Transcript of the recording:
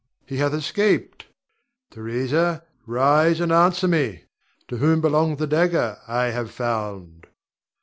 He hath escaped. Theresa, rise, and answer me. To whom belonged the dagger I have found?